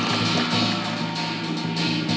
วันนี้ข้ามาขอยืมของสำคัญ